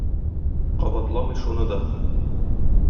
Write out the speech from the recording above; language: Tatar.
Кабатламый шуны да.